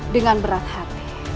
dengan berat hati